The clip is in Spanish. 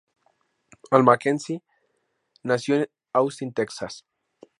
Al MacKenzie nació en Austin, Texas.